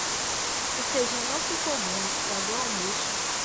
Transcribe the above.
O feijão não ficou bom, estragou o almoço.